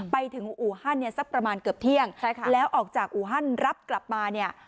ไปถึงอู่ฮั่นเนี่ยสักประมาณเกือบเที่ยงใช่ค่ะแล้วออกจากอู่ฮั่นรับกลับมาเนี่ย